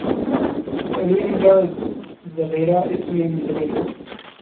سے علوم کا ذخیرہ اس میں منتقل ہو